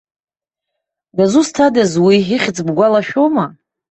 Дазусҭадаз уи, ихьӡ бгәалашәома?